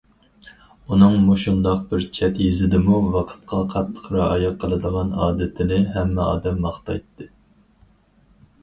ئۇنىڭ مۇشۇنداق بىر چەت يېزىدىمۇ ۋاقىتقا قاتتىق رىئايە قىلىدىغان ئادىتىنى ھەممە ئادەم ماختايتتى.